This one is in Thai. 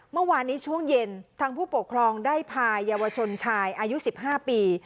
เมื่อวานนี้ช่วงเย็นทางผู้ปกครองได้พายาวชนชายอายุ๑๕ปี